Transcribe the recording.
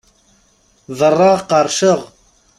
Berraɣ qerrceɣ!